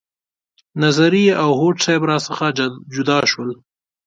نظري او هوډ صیب را څخه جدا شول.